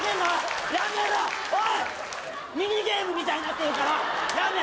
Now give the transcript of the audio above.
ミニゲームみたいになってるから。